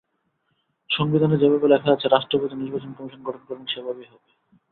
সংবিধানে যেভাবে লেখা আছে, রাষ্ট্রপতি নির্বাচন কমিশন গঠন করবেন, সেভাবেই হবে।